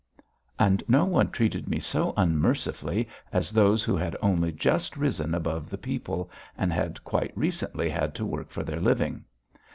And no one treated me so unmercifully as those who had only just risen above the people and had quite recently had to work for their living.